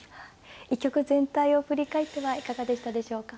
一局全体を振り返ってはいかがでしたでしょうか。